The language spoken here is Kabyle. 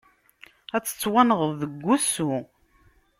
Ad ttwannḍeɣ deg usu.